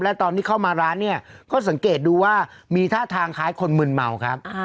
และตอนที่เข้ามาร้านเนี่ยก็สังเกตดูว่ามีท่าทางคล้ายคนมึนเมาครับ